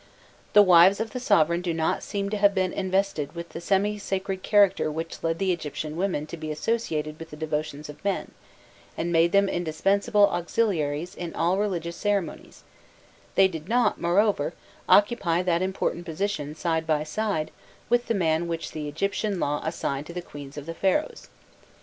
The wives of the sovereign do not seem to have been invested with that semi sacred character which led the Egyptian women to be associated with the devotions of the man, and made them indispensable auxiliaries in all religious ceremonies; they did not, moreover, occupy that important position side by side with the man which the Egyptian law assigned to the queens of the Pharaohs.